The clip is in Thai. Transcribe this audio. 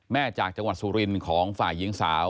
จากจังหวัดสุรินทร์ของฝ่ายหญิงสาว